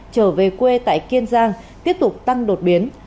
trở về quê tại kiên giang tiếp tục tăng đột biến